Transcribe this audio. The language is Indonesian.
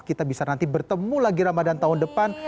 kita bisa nanti bertemu lagi ramadan tahun depan